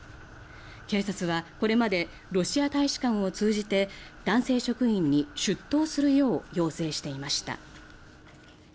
警察はこれまでロシア大使館を通じて男性職員に出頭するよう要請していました。